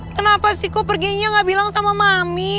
kenapa sih kok perginya gak bilang sama mami